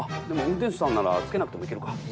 でも運転手さんなら着けなくてもいけるか。